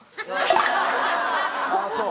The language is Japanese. ああそう。